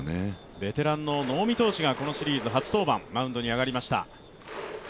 ベテランの能見投手が初登板、マウンドに上がりました。